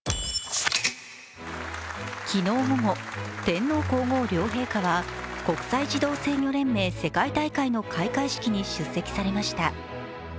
昨日午後、天皇皇后両陛下は国際自動制御連盟世界大会の開会式に出席されました。